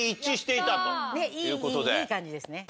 いい感じですね。